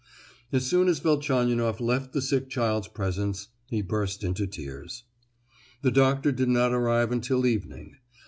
As soon as Velchaninoff left the sick child's presence, he burst into tears. The doctor did not arrive until evening.